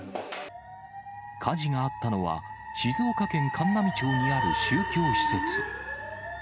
火事があったのは、静岡県函南町にある宗教施設。